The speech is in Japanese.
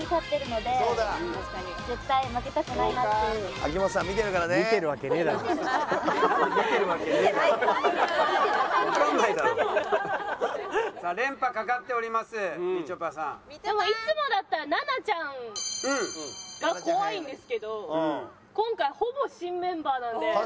でもいつもだったら奈々ちゃんが怖いんですけど今回ほぼ新メンバーなんで。